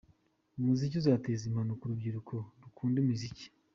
Umuziki uzateza impanuka urubyiruko rukunda imiziki